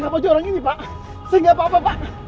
pak tangkap pak